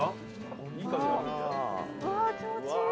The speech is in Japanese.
わぁ気持ちいい。